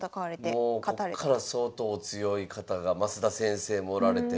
こっから相当お強い方が増田先生もおられて。